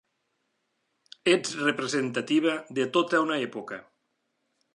Ets representativa de tota una època!